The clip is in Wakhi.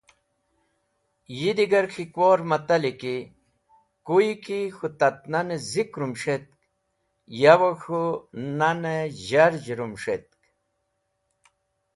Yi digar K̃hikwor matali ki kuyeki K̃hu tat-nane Zik rums̃hetk, yawe k̃hu Nane Jharjh rums̃hetk.